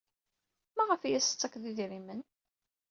Maɣef ay as-tettakfed idrimen?